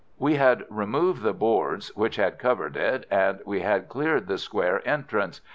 We had removed the boards which had covered it, and we had cleared the square entrance.